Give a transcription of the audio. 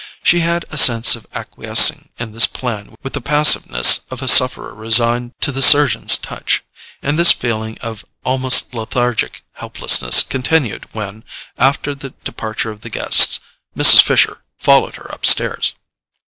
She had a sense of acquiescing in this plan with the passiveness of a sufferer resigned to the surgeon's touch; and this feeling of almost lethargic helplessness continued when, after the departure of the guests, Mrs. Fisher followed her upstairs.